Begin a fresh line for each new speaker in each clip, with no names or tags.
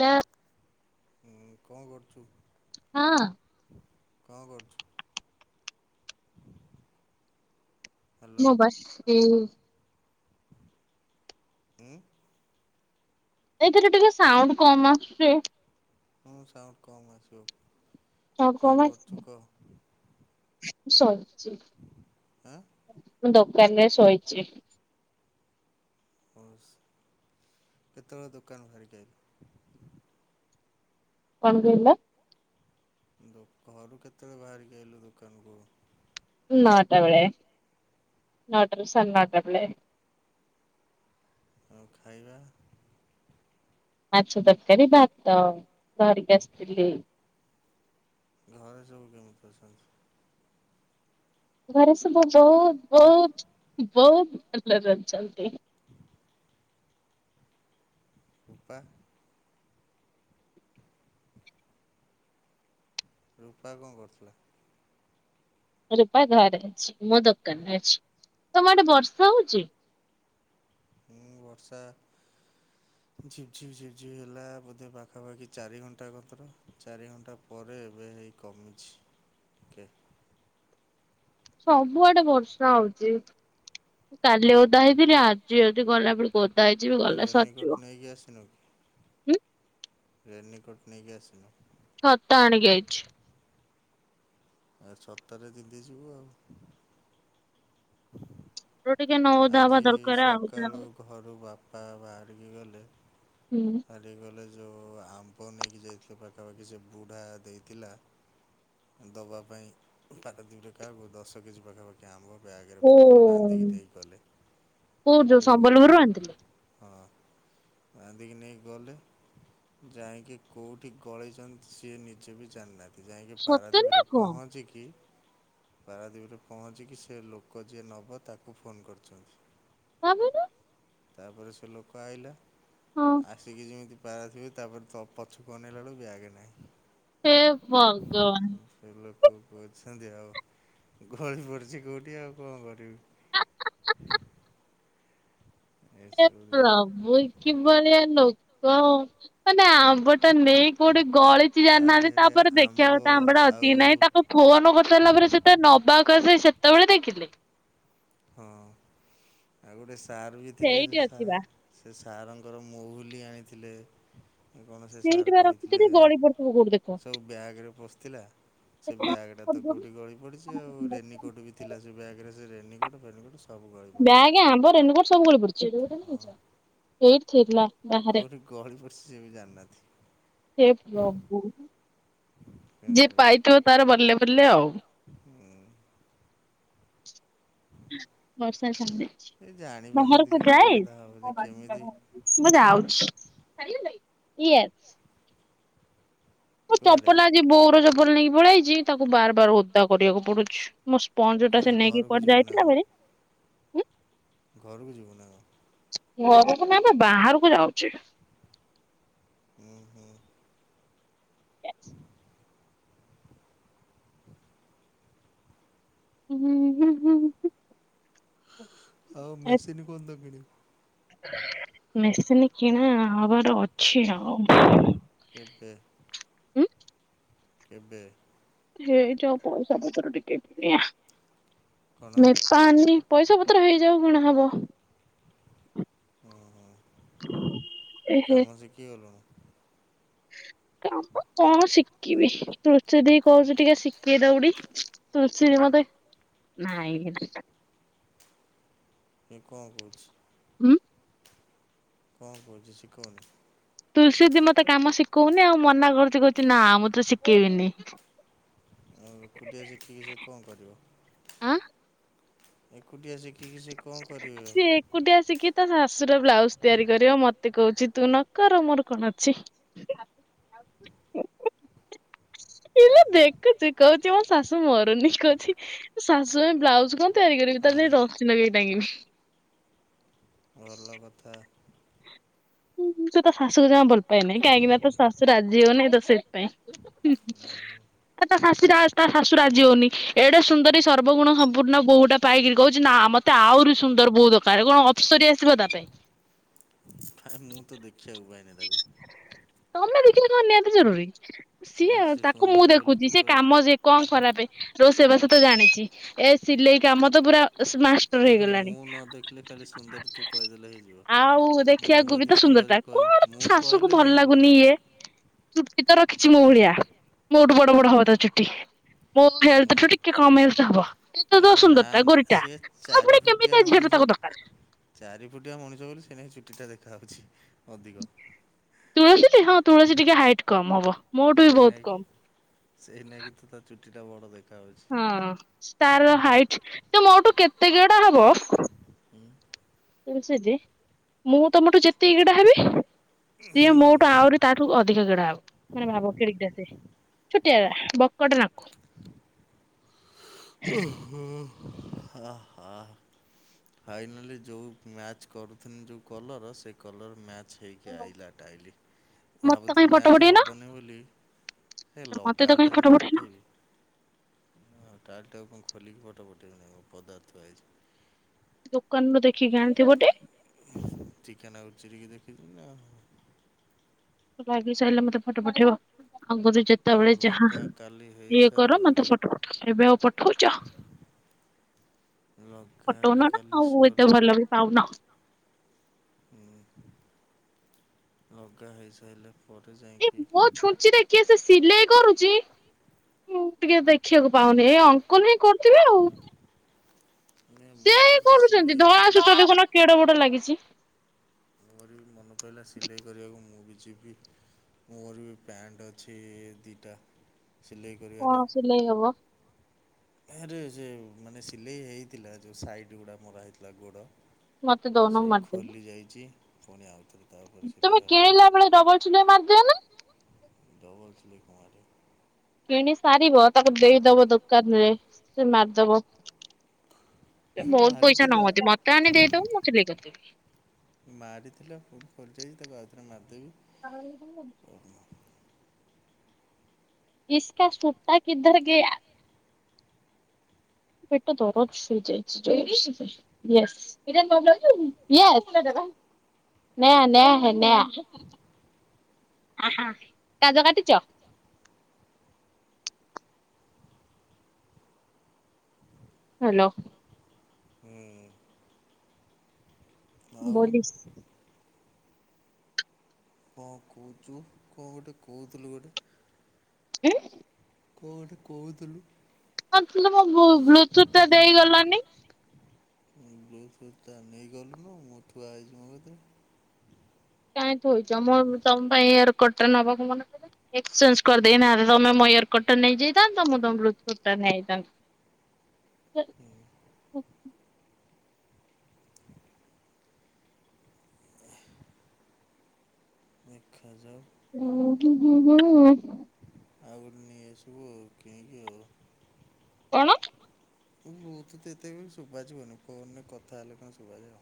ଲା
ହୁଁ କଣ କରୁଚୁ?
ହଁ।
ହିଁ କରୁଛୁ। [unintelligible] ହ୍ୟାଲୋ
ମୋବାଇ ଏ
ହୁଁ।
ଏଥିରେ ଟିକେ ସାଉଣ୍ଡ କମ ଆସୁଚି
ହଁ ସାଉଣ୍ଡ କମ ଆସିବ?
ସ
କଣ
କମ
କରୁଛୁ କହ
ସରି
ଆଁ
ମୁଁ ଦୋକାନ ରେ ଶୋଇଚି।
ହଉ କେତେବେଳେ ଦୋକାନ ବାହା [unintelligible]
କଣ କହିଲ?
ଦୋକାନ କୁ କେତେବେଳେ ବାହାରିକି ଆଇଲୁ ଦୋକାନକୁ?
ନଅଟା ବେଳେ ନଅଟା ସାଢ଼େ ନଅଟା ବେଳେ।
ଆଉ ଖାଇବା?
ମାଛ ତରକାରୀ ଭାତ ଧରିକି ଆସିଥିଲି।
ଘରେ ସବୁ କେମିତି ଅଛନ୍ତି?
ଘରେ ସୁ ବୋହୁତ ବୋହୁତ ବୋହୁତ ଭଲରେ ଅଛନ୍ତି।
ରପା ରୂପା କଣ କରୁଥିଲା?
ରୂପା ଘରେ ଅଛି ମୁଁ ଦୋକାନରେ ଅଛି ତମରେ ବର୍ଷା ହୋଉଚି?
ମୁଁ ବର୍ଷା ଝିପ ଝିପ୍ ଝିପ ଝି ହେଲା ବୋଧେ ପାଖାପାଖି ଚାରି ଘଣ୍ଟା କତର ଚାରି ଘଣ୍ଟା। ପରେ ଏବେ ହେଇ କମିଚି
ସବୁଆଡେ ବର୍ଷା ହୋଉଚି କାଲି ଉଉଦା ହେଇଥିଲି ଆଜି ଯଦି ଗଲା ବଳ ଓଦା ହେଇଛି
ତୁ ରେନିକୋଟ ନେଇକି ଆସିନୁ କି,
ହୁଁ
ରେନିକୋଟ ନେଇକି ଆସିନୁ?
ଛତା ଆଣିକି ଆଇଛି।
ଆ ଛତାରେ ତିନ୍ତି ଯିବୁ ଆଉ।
ରୁ ଟିକେ ନଉ
ଆଜି ସକାଳୁ ଘରୁ ବାପା ବାହାରିକି ଗଲେ
ହୁଁ।
କାଲି ଗଲେ ଯୋଉ ଆମ୍ବ ନେଇକି ଯାଇଥିଲ ପାଖାପାଖି ସେ ବୁଢ଼ା ଦେଇଥିଲା ଦବା ପାଇଁ ପାରାଦ୍ଵୀପରେ କାହାକୁ ଦଶ କେଜି ପାଖାପାଖି ଖି ଆମ୍ବ ବ୍ୟାଗରେ ପୂରେଇକି
କୋଉ
ବାନ୍ଧିକି ଦେଇକି କହିଲେ,
କୋଉ ଯୋଉ
ତାକୁ
ସମ୍ବଲପୁରରୁ ଆଣିଥିଲେ
ହଁ। ବାନ୍ଧିକି ନେଇକି ଗଲେ, ଯାଇଁକି କୋଉଠି ଗଳେଇଛନ୍ତି ସିଏ ନିଜେ ବି ଜାଣିନାହାଁନ୍ତି? ଏଠୁ ଯାଇଁକି
ସତରେ ନା
ପାରାଦ୍ଵୀପରେ
କଣ?
ପହଞ୍ଚିକି ପାରାଦ୍ଵୀପରେ ପହଞ୍ଚିକି, ସେ ଲୋକ ଯିଏ ନବ ତାକୁ ଫୋନ୍ କରିଛନ୍ତି
ତାପରେ
ତାପରେ ସେ ଲୋକ ଆଇଲା,
ହଁ।
ଆସିକି ଯେମିତି ପାରାଦ୍ଵୀପରେ ତାପରେ ତ ପଛ ଅନେଇଲା ବେଳକୁ ବ୍ୟାଗେ ନାହିଁ।
ହେ ଭଗବାନ।
ସେ ଲୋକକୁ କହୁଛନ୍ତି ଆଉ, ଗଳି ପଡ଼ିଛି କୋଉଠି ଆଉ କଣ କରିବି?
ହେ
ଏସବୁ ଜିନିଷ
ପ୍ରଭୁ, କିଭଳିଆ ଲୋକ, ମାନେ ଆମ୍ବଟା ନେଇକି କୋଉଠି ଗଳିଚି
ତା
ଜାଣିନାହାଁନ୍ତି,
ଦେହରେ
ତାପରେ ଦେଖିଆ
ଆମ୍ବ
କଥା ଆମ୍ବଟା ଅଛି
ଆଉ
କି ନାହିଁ, ତାକୁ ଫୋନ କରିସାଇଲା ପରେ ସେ ଯେତେ ନବାକୁ ଆସେଇ ସେତେବେଳେ ଦେଖିଲେ?
ହଁ। ଆଉ ଗୋଟେ ସାର୍ ବି ଥିଲେ,
ସେଇଠି
ସେ
ଅଛି
ସାର୍
ବା
ସେ ସାରଙ୍କର ମହୁଲି ଆଣିଥିଲେ ଆ କଣ ସେ
ସେଇଠି
ସାର୍
ବା
କହିଥିଲେ,
ରଖିଥିଲି ଗଳି ପଡିଥିବ କୋଉଠି ଦେଖ।
ସବୁ ବ୍ୟାଗରେ ପଶଥିଲା ସେ ବ୍ୟାଗଟା ତ କୋଉଠି ଗଳିପଡିଛି ଆଉ। ରେନିକୋଟ ବି ଥିଲା ସେ ବ୍ୟାଗରେ ସେ ରେନିକୋଟ ଫେନିକୋଟ ସ
ବ୍ୟାଗ୍, ଆମ୍ବ, ରେନକୋଟ ସବୁ ଗଳି
ହଁ
ପଡ଼ିଛି? ସେଇଟି ଥିଲା। ବାହାରେ
କୋଉଠି ଗଳି ପଡ଼ିସି ସିଏ ବି ଜାଣିନାହାଁନ୍ତି।
ହେ ପ୍ରଭୁ।
କଣ
ଯିଏ
କରିବୁ।
ପାଇଥିବ ତାର ବଲେ ବଲେ ଆଉ।
ହୁଁ
ବର୍ଷା ଛାଡ଼ିଲେ।
ଏ ଜାଣିପାରୁନାହାନ୍ତି
ବାହାରକୁ
କେମିତି ସେ
ଯାଏ?
କଥା ହବ ଯେ କେମିତି
ମୁଁ ଯାଉଛି। କିଏ? ମୁଁ
କୁଆଡ଼େ
ଚପଲ ଆଜି ବୋଉର ଚପଲ ନେଇକି ପଳେଇ ଆଇଚି, ତାକୁ ବାର ବାର ଓଦା କରିବାକୁ ପଡୁଛି। ମୋ ସ୍ପଞ୍ଜଟା
କୁଆଡ଼େ
ସେ ନେଇକି
ଘରକୁ
କୁଆଡେ
ଯିବୁ ନା
ଯାଇଥିଲା
କଣ
ଭାରି
ଘରକୁ ଯିବୁ ନା କଣ?
ଘରକୁ ନା ବା, ବାହାରକୁ ଯାଉଛି।
ହୁଁ ହୁଁ। ହ
ହୁଁ ହୁଁ ହୁଁ।
ଆଉ ମେସିନ୍ କଣ ତା କିଣିବୁ?
ମେସିନି କିଣା ହବାର ଅଛି ଆଉ।
କେବେ?
ହୁଁ
କେବେ?
ହେଇଯାଉ ପଇସା ପତର ଟିକେ କିଣିଆ।
କଣ
ପାନି ପଇସା ପତର ହେଇଯାଉ କିଣା ହବ।
ଓହୋ।
ଏହେ
କାମ ଶିଖିଗଲୁଣୁ?
କାମ କଣ ଶିକିବି, ରୁଚି ଦେଇକି କହୁଛି ଟିକେ ଶିକେଇ ଦବୁଟି। ରୁଚି ଦେଇ ମତେ, ନାଇଁ
କାଇଁ କଅଁ କହୁଛି?
ହୁଁ।
କଣ କରୁଛି ଶିଖଉନି?
ତୁଳସୀଦି ମତେ କାମ ଶିକୋଉନି ଆଉ ମନା କରୁଛି କହୁଛି ନା ମୁଁ ତ ଶିକେଇବିନି।
ଆଉ ଏକୁଟିଆ ଶିଖିକି ସେ କଣ କରିବ?
ଆଁ!
ଏକୁଟିଆ ଶିଖିକି ସେ କଣ କରିବେ?
ସିଏ ଏକୁଟିଆ ଶିକିକି ତା ଶାଶୁର ବ୍ଲାଉଜ ତିଆରି କରିବ ମତେ କହୁଛି ତୁ ନ କର ମୋର କଣ ଅଛି?
ହ
ଇଲୋ ଦେଖୁଛି କହୁଛି ମୋ ଶାଶୁ ମରୁନି କହୁଛି ଶାଶୁ ପାଇଁ ବ୍ଲାଉଜ କଣ ତିଆରି କରିବି ତାର
ହଁ
ସେଇ ରଶି ନଗେଇକି ଟାଙ୍ଗିବି।
ଭଲ କଥା।
ହୁଁ ହୁଁ ସେ ତା ଶାଶୁକୁ ଜମା ଭଲ ପାଏନାହିଁ କାହିଁକି ନା ତା ଶାଶୁ ରାଜି ହଉ ନାଇଁ ତ ସେଥିପାଇଁ
ହୁଁ।
ଏ ତା ଶାଶୁ ଟା ତା ଶାଶୁ ରାଜି ହଉନି, ଏଡେ ସୁନ୍ଦରୀ ସର୍ବଗୁଣ ସମ୍ପୂର୍ଣ୍ଣ ବୋହୁଟା ପାଇକିରି କହୁଛି ନା ମତ୍ ତେ ଆହୁରି ସୁନ୍ଦର ବୋହୁ ଦରକାରେ କଣ ଅପ୍ସରୀ ଆସିବ ତା ପାଇଁ?
ଆରେ ମୁଁ ତ ଦେଖିବାକୁ ପାଇନାଇଁ ତାକୁ?
ତମେ ଦେଖିଲେ କଣ ନିହାତି ଜରୁରୀ
ନା
ସିଏ
ସେ
ତାକୁ ମୁଁ
ସୁନ୍ଦରୀ ବୋଲି ତୁ
ଦେଖୁଛି
କ
ସିଏ
ହେ
କାମ ଶିକ କଣ ଖରାପେ ରୋଷେଇ ବାସ ତ ଜାଣିଛି ଏ ସିଲେଇ କାମ ତ ପୁରା ତ ସେ ମାଷ୍ଟର
ହେ
ହେଇଗଲାଣି,
ମୁଁ ନ ଦେଖିଲେ ଖାଲି ସୁନ୍ଦରୀ ତୁ କହିଦେଲେ ହେଇଯିବ।
ଆଉ
ମୁଁ
ଦେଖିବାକୁ ବି
ଯଦି
ତ ସୁନ୍ଦର
ସୁନ୍ଦରୀ
ଟା
କହି
କଣ ତା
ମୁଁ
ଶାଶୁକୁ
କହିଲେ
ଭଲ
ଯାଇକି
ଲାଗୁନି
ସୁନ୍ଦର
ଇଏ? ଚୁଟି ତ ରଖିଛି ମୋ ଭଳିଆ, ମୋଠୁ ବଡ ବଡ ହବ ତା ଚୁଟି। ମୋ
ମୁଁ
ହେଲଥଠୁ ଟିକେ କମ ହେଲଥ ହବ। ଏତ ତ
ଆରେ ନା
ସୁନ୍ଦରଟା
ନା
ଗୋରିଟା
ସେ
ଆଉ
ଚାରି
ପୁଣି
ଫୁଟିଆ
କେମିତିଆ ଝିଅଟେ
ମଣିଷ
ତାକୁ ଦକାରେ?
ଚାରି ଫୁଟିଆ ମଣିଷ ବୋଲି ସେଇନାଗି ଚୁଟିଟା ଦେଖାହଉଛି। ଅଧିକ।
ତୁଳସୀ ଟି ହଁ ତୁଳସୀ ଟିକେ ହାଇଟ୍ କମ ହବ। ମୋଠୁ ବି ବହୁତ
ସେଇନାଗି
କମ।
ସେଇନାଗି ତୁ ତା ଚୁଟିଟା ବଡ ଦେଖାଯାଉଛି।
ହଁ ତାର ହାଇଟ ସେ ମୋଠୁ କେତେ ଗେଡା ହବ?
ହୁଁ।
[unintelligible] ମୁଁ ତମଠୁ ଯେତିକି ଗେଡା ହେବି ସିଏ ମୋଠୁ ଆହୁରି ତାଠୁ ଅଧିକ ଗେଡା ହବ ମାନେ ଭାବ କେଡ଼ିକ ଟେ ସେ? ଛୋଟିଆଟା ବକଟେ ନାଖୁ।
ଓ ହୋ ଆ ହା। ଫାଇନାଲି ଯୋଉ ମ୍ୟାଚ୍ କରୁଥିଲି ଯୋଉ କଲର୍ ସେଇ କଲର୍ ମ୍ୟାଚ୍ ଚ୍ ହେଇକି ଆଇଲା ଟାଇଲି ମୁଁ
ମତେ କାଇଁ
ଭାବୁଥିଲି
ଫଟୋ
ମ୍ୟାଚ
ପଠେଇନ
ହବନି ବୋଲି ହେ
ମତେ ତ
ଲଗା
କାଇଁ
ହେଲେ
ଫଟୋ
ସିନା
ପଠେଇନ
ପଠେଇବି। ହଁ ଟାଇଲଟାକୁ କଣ ଖୋଲିକି ଫଟୋ ପଠେଇବି ନାଇଁ ପଦାରେ ଥୁଆ ହେଇଚି।
ଦୋକାନରୁ ଦେଖିକି ଆଣିଥିବ ଟି?
ହୁଁ ଟିକେ ନାଗୁ ଚିରିକି ଦେଖିଚି ନା ଆଉ।
ଲାଗି ସାଇଲେ ମତେ ଫଟୋ ପଠେଇବ? ଆଗରୁ ଯେତେବେଳେ ଯାହା
ଲଗା କାଲି
ଇଏ
ହେଇସାରୁ
କର ମତେ
ଆଗେ
ଫଟୋ ପଠାଅ ଏବେ ଆଉ ପଠଉଚ?
ଲଗା ଆଗେ
ପଥଉନ ନା
କାଲି
ଆଉ
ସରୁ
ଏତେ
ହୁଁ
ଭଲ ବି ପାଉନ।
ଲଗା ହେଇସାଇଲେ
ଏଇ ମୋ ଛୁଞ୍ଚିରେ କିଏ ସେ ସିଲେଇ କରୁଛି, ମୁଁ ଟିକେ ଦେଖିବାକୁ ପାଉନି ଏ ଅଙ୍କଲ ହିଁ କରୁଥି
ହ
ସେଇ କରୁଛନ୍ତି
ସିଲେଇ
ଧଳା
ହେଇନି।
ସୂତା ଦେଖୁନ କେଡ ବଡ ଲାଗିଛି?
ମୋରି ବି ମନେ ପଇଲା ସିଲେଇ କରିବାକୁ ମୁଁ ବି ଯିବି। ମୋର ବି ପ୍ୟାଣ୍ଟ ଅଛି ଦିଟା ସିଲେଇ
କଣ
କରିବାର।
ସିଲେଇ ହବ?
ଆରେ ସେ ମାନେ ସିଲେଇ ହେଇଥିଲା ଯଉଁ ସାଇଡ଼ ଗୁଡ଼ା ମରା ହେଇଥିଲା ଗୋଡ଼।
ମତେ ଦଉନ
ସେ
ମୁଁ ମାରିଦେବି
ଖୋଲି ଯାଇଚି ଫୁଣି ଆଉଥରେ। ତାପରେ
ତମେ
ସିଲେଇ ହେବ।
କିଣିଳା ବେଳେ ଡବଲ୍ ଚିହ୍ନ ମାରି ଦିଅନା।
ଡବଲ ଚିହ୍ନ [unintelligible]
କିଣି ସାରିବ ତାକୁ ଦେଇଦବ ଦୋକାନରେ ସେ ମାରଦବ। ବହୁତ ପଇସା
ବାହାରିଥିଲା
ନହନ୍ତି ମତେ ଆଣି ଦେଇଦବୁ ମୁଁ ସିଲେଇ କରିଦେବି।
ମାରିଥିଲା ପୁଣି ଖୋଲିଯାଇଚି ତାକୁ ଆଉଥରେ ମାରଦେବି।
ଆଉ ଇସ୍କା ସୂତା କିଧର ଗୟା? ପେଟ ଦରଜ ହେଇଯାଇଛି [unintelligible] ୟେସ [inaudible] ନେ ନେଆ ନେଆ ନେଆ। ଅହଁ କାଜ କାଟିଚ ହାଲୋ।
ହୁଁ। ଆଉ
ବୋଲିସ୍।
ଙ୍କ କହୁଚୁ ଙ୍କ ଗୋଟେ କହୁଥିଲୁ ଗୋଟେ?
ଉଁ
କଁ ଗୋଟେ କହୁଥିଲୁ?
କରୁଥିଲି ମୋ ବୁ ବ୍ଲୁତୁଥ ଟା ଦେଇ ଗଲଣିି।
ବ୍ଲୁଥୁତା ନେଇଗଲୁନୁ ମୁଁ ଥୁଆ ହେଇଚି ମୋ କତିରେ।
କାହିଁ କହୁଚ ମନ ତମ ପାଇଁ ୟରକଟ ଟା ନେବାକୁ ମନେପଇଲନି। ଏକ୍ସଚେଞ୍ଜ କରିଦେଇନାହାନ୍ତ ତମେ ମୋ ୟରକର୍ଡ ନେଇଯାଇଥାନ୍ତ ମୁଁ ତମ ବ୍ଲୁତୁଥ ଟା ନେଇ ଯାଇଥାନ୍ତି।
ଖଜାଓ
ଉଁ ହୁଁ ହୁଁ ହୁଁ।
ଆଉ ଗୋଟେ ନେଇ ଆସିବୁ ଆଉ ଙ୍କିକି ଆଉ।
କଣ?
ତୁ ବ୍ଲୁତୁଥ ଏତେ ବି ସୁବା ଯିବନି ଫୋନ ରେ କଥା ହେଲେ କଣ ଶୁବା ଯାୟ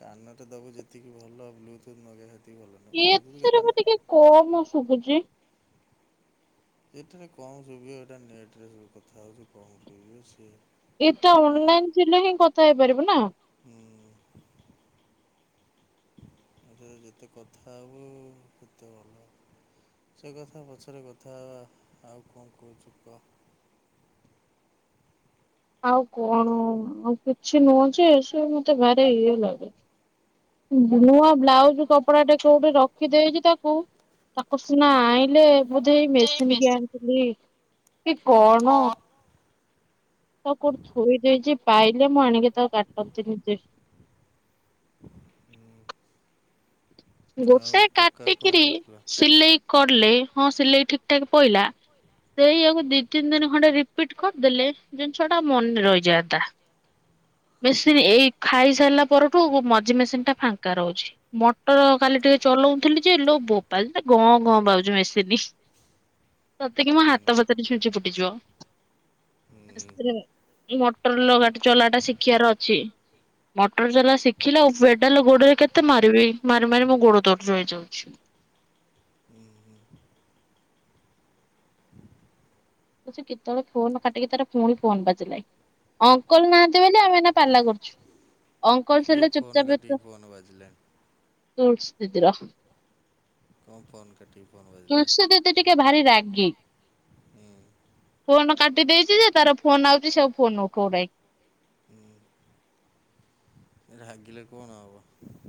କାନଟା ଦବୁ ଯେତିକି ଭଲ ବ୍ଲୁତୁଥୁ ନଗେଇବା ସେତିକି ଭଲ ନୁହେଁ ବ୍ଲୁତୁଥୁ କେତେବେଳେ
ଓମ ଶୁଭୁଚି।
ଏଥିରେ ଙ୍କ ଶୁବିବ ଏଇଟା ନେଟରେ ସବୁ କଥା ହେଉଛୁ କଣ ଶୁଭିବ ସିଏ
ସିଏ ତ
କଣ
ଅନଲାଇନ ଥିଲେ ହିଁ କଥା ହେଇପାରିବୁ ନା।
ହୁଁ। ଏଥିରେ ଯେତେ କଥା ହବୁ ସେତେ ଭଲ। ସେ କଥା ପଛରେ କଥା ହବା ଆଉ କଣ କହୁଚୁ କ?
ଆଉ କଣ ଆଉ କିଛି ନୁହଁ ଯେ ସବୁ ମତେ ଭାରି ଇଏ ଲାଗୁଚି। ନୂଆ ବ୍ଲାଉଜ କପଡାଟା କୋଉଠି ରଖିଦେଇଚି ତାକୁ ତାକୁ ସିନା ଆଇଁଲେ ବୁଝେ ଏ ମେସିନ୍ କି ଆଣିଥିଲି କି କଣ? ମୁଁ ତାକୁ କୋଉଠି ଥୋଇ ଦେଇଛି ପାଇଲେ ମୁଁ ଆଣିକି ତାକୁ କାଟ କରିଦେବି ଭିତରେ।
ହୁଁ। ଆଉ
ଗୋଟେ
ଟୋକା କଣ
କାଟିକିରି
କରୁଥିଲା?
ସିଲେଇ କରିଲେ ହଁ ସିଲେଇ ଠିକ ଠାକ ପଇଲା। ସେଇଆକୁ ଦି ତିନି ଦିନ ଖଣ୍ଡେ ରିପିଟ୍ କରଦେଲେ ଜିନିଷ ଟା ମନେ ରହିଯାଆନ୍ତା। ମେସିନ୍ ଏଇ ଖାଇସାରିଲା ପରଠୁ ମଝି ମେସିନ୍ ଟା ଫାଙ୍କା ରହୁଚି। ତ କାଲି ଟିକେ ଚଲଉଥିଲି ଯେ ଲୋ ବୋପା ଗଁ ଗଁ ପାଉଛି ମେସିନ୍। ସତେ କି ମୋ
ହୁଁ
ହାତ ଫାତରେ ଛୁଞ୍ଚି ଫୁଟିଯିବ।
ହୁଁ
ସତରେ ମଟର ଲଗା ଚଲା ଟା ଶିଖିବାର ଅଛି। ମଟର ଚଲା ଶିଖିଲେ ଓ ପେଡାଲ ଗୋଡରେ କେତେ ମାରିବି ମାରି ମାରି ମୋ ଗୋଡ ଦରଜ ହେଇଯାଉଛି।
ହୁଁ ହୁଁ।
ସେ କେତେବେଳେ ଫୋନ କାଟିକି ତାର ପୁଣି ଫୋନ ବାଜିଲାଣି। ଅଙ୍କଲ ନାହାନ୍ତି ବୋଲି ଆମେ ଏଇନା ପାଲା କରୁଚୁ। ଅଙ୍କଲସ୍‌
କିଏ
ହେଲେ ଚୁପ୍
ଫୋନ୍
ଚାପ୍ ରେ
କାଟିକି
ତ
ଫୋନ୍ ବାଜିଲାଣି
ତୁର୍ସ ଦିଦି ର।
ଙ୍କ ପର୍ନ। କାଟିିକି ଫୋନ୍ କରି
ତୁଲସୀ ଦିଦି ଟିିକେ ଭାରି ରାଗୀ।
ହୁଁ
ଫୋନ କାଟି ଦେଇଛି ଯେ ତାର ଫୋନ ଆଉଛି ସବୁ ଫୋନ ଉଠଉନାହିଁ।
ରାଗିଲେ କଣ ହବ।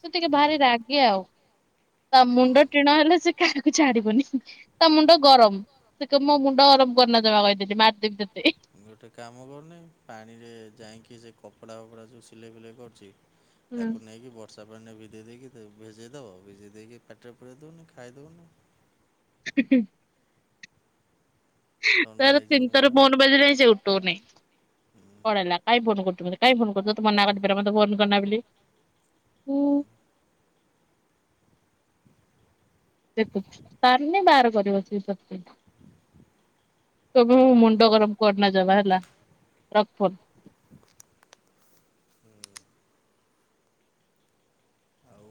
ସିଏ ଟିକେ ଭାରି ରାଗି ଆଉ। ତା ମୁଣ୍ଡ
ହୁଁ।
ଟିଣ ହେଲେ ସେ କାହାରିକି ଛାଡିବନି ତା ମୁଣ୍ଡ ଗରମ। ସେ କହିବ ମୋ ମୁଣ୍ଡ ଗରମ କରନା ଜମା କହିଦେଲି ମାରିଦେବି ତତେ।
ଗୋଟେ କାମ କରୁନି ପାଣିରେ ଯାଇକି ସେ କପଡ଼ା ଫପଡ଼ା ସବୁ ସିଲେଇ ଫିଲେଇ କରୁଛି। ତାକୁ ନେଇକି ବ ତାପରେ ନେଇ ଭିଦେଇ ଦେଇକି ଭିଜେଇ ଦେବ ଭିଜେଇ ଦେଇକି ପାଟିରେ ପୁରେଇ ଦେଉନି ଖାଇ ଦେଉନି।
କି [inaudible]
ଥଣ୍ଡା
ତାର
ହେଇଯିବ
ତିନି
ମୁଣ୍ଡ
ଥର ଫୋନ୍ ବାଜିଲାଣି ସେ ଉଠଉ ନାହିଁ।
ହୁଁ
କଣ ହେଲା କାଇଁ ଫୋନ୍‌ କରୁଚୁ ମତେ କାଇଁ ଫୋନ୍ କରୁଛ ତୋତେ ମନା କଲି ପରା ଫୋନ୍ କରନା ବୋଲି। ଦେଖୁଛି ତାରନି ବାହାର କରିବ ସେ ସକ୍ତି ଟା। ତମେ ମୁଁ ମୁଣ୍ଡ ଗରମ କରନା ଯବା ହେଲା ରକ୍ ଫୋନ୍।
ହୁଁ ଆଉ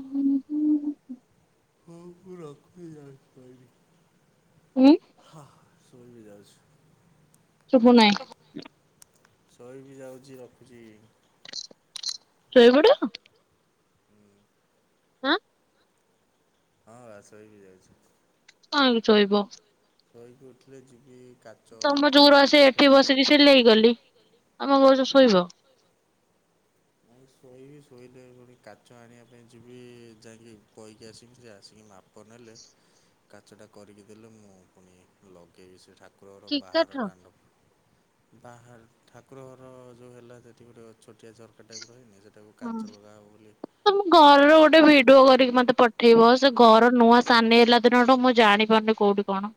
ହୁଁ ହୁଁ।
[unintelligible]
ହୁଁ।
ଯାଉଛୁ।
ଶୁଭୁ ନାହିଁ।
ଶୋଇବି ଯାଉଚି ରଖୁଛି।
ଶୋଇପଡ଼। ହଁ।
ହଁ ଆସ ଶୋଇ ବି ଯାଉଛି।
କାଁହିକି ଶୋଇବ?
ଶୋଇକି ଉଠିଲେ ଯିବି କା
ତମ ଯୋଗୁରୁ ଆସି ଏଠି ବସିକି ସିଲେଇ କଲି ତମେ କହୁଚ ଶୋଇବ।
ଆଁ ଶୋଇବି ଶୋଇଲେ ପୁଣି କାଚ ଆଣିବା ପାଇଁ ଯିବି ଯାଇକି କହିକି ଆସିକି ସେ ଆସିକି ମାପ ପନେଲେ କାଚଟା କରିକି ଦେଲେ ମୁଁ ପୁଣି ଲଗେଇବି ସେ ଠାକୁର କୁରର ବାହାର
କ୍ରିକେଟର
ଦାଣ୍ଡ ବାହାର ଠାକୁର ଘର ଯୋଉ ହେଲା ସେଠି ଗୋଟେ ଛୋଟିଆ ଝରକା ଟାଇପ୍ ର ହେଇନି। ତାକୁ
ହଁ
କାଚ ଲଗା ହେବ ବୋଲି
ତମ ଘରର ଗୋଟେ ଭିଡିଓ କରିକି ମତେ ପଠେଇବ ସେ ଘର ନୂଆ ସାନି ହେଲା ଦିନଠୁ ମୁଁ ଜାଣି ପାରୁନି। କଉଠି କଣ?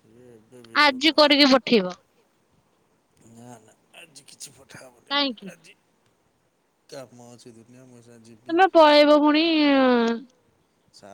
ଇଏ ଏବେ ଭିଡ଼ିଓ
ଆଜି
କଣ ଆଉ
କରିକି ପଠେଇବ
ହେବ। ନା ନା ଆଜି କିଛି ପଠା ହବନି
କାହିଁକି
ଆଜି। କାମ ଅଛି ଦୁନିଆ ମୁ ସା ଯିବ୍
ତମେ ପଳେଇବ ଫୁଣି ଆଁ
ସା